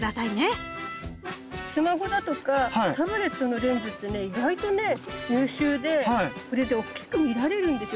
スマホだとかタブレットのレンズってね意外とね優秀でこれでおっきく見られるんですよ。